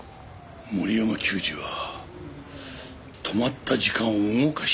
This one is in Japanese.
森山久司は止まった時間を動かしに来たのか？